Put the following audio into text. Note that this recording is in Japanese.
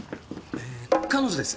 え彼女です。